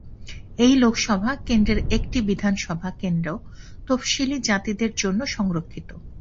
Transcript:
এই লোকসভা কেন্দ্রের একটি বিধানসভা কেন্দ্র তফসিলী জাতিদের জন্য সংরক্ষিত।